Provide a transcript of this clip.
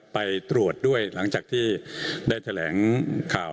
ไปตรวจด้วยหลังจากที่ได้แถลงข่าว